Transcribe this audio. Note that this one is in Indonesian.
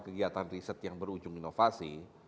kegiatan riset yang berujung inovasi